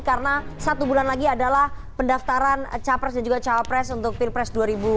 karena satu bulan lagi adalah pendaftaran capres dan juga caopres untuk pilpres dua ribu dua puluh empat